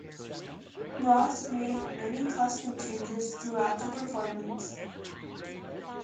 Ross made many costume changes throughout the performance.